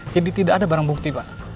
jadi tidak ada barang bukti pak